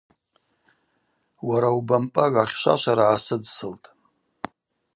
Уара убампӏагӏва ахьшвашвара гӏасыдсылтӏ:.